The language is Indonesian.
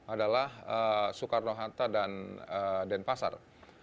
adalah soekarno hatta dan denpasar